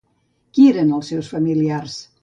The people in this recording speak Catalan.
Qui eren els seus familiars?